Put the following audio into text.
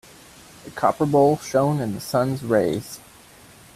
The copper bowl shone in the sun's rays.